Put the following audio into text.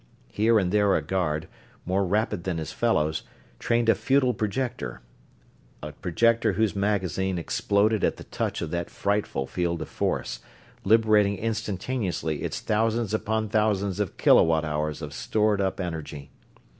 Here and there a guard, more rapid than his fellows, trained a futile projector a projector whose magazine exploded at the touch of that frightful field of force, liberating instantaneously its thousands upon thousands of kilowatt hours of stored up energy.